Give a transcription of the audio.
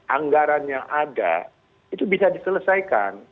anggarannya ada itu bisa diselesaikan